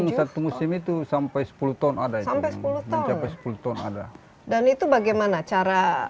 bisa ke musim itu sampai sepuluh ton ada sampai sepuluh tahun sepuluh ton ada dan itu bagaimana cara